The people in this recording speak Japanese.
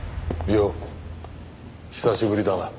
よう久しぶりだな。